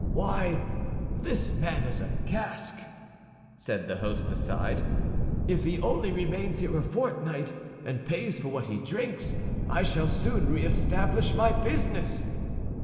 "Why, this man is a cask!" said the host, aside. "If he only remains here a fortnight, and pays for what he drinks, I shall soon re establish my business."